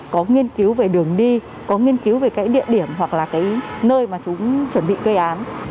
có nghiên cứu về đường đi có nghiên cứu về cái địa điểm hoặc là cái nơi mà chúng chuẩn bị gây án